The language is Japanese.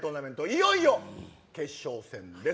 いよいよ決勝戦です。